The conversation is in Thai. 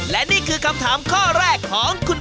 แล้วสรุปกระดาษชำระสก๊อตเนี่ย